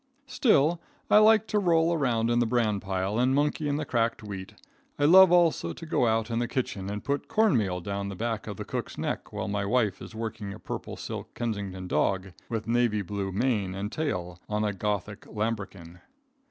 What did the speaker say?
Still I like to roll around in the bran pile, and monkey in the cracked wheat. I love also to go out in the kitchen and put corn meal down the back of the cook's neck while my wife is working a purple silk Kensington dog, with navy blue mane and tail, on a gothic lambrequin.